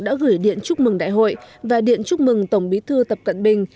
đã gửi điện chúc mừng đại hội và điện chúc mừng tổng bí thư tập cận bình